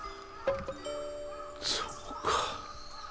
そうか。